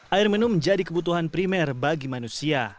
air minum menjadi kebutuhan primer bagi manusia